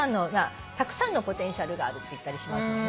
たくさんのポテンシャルがあるって言ったりします。